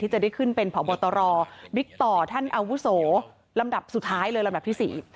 จะได้ขึ้นเป็นผอบตรบิ๊กต่อท่านอาวุโสลำดับสุดท้ายเลยลำดับที่๔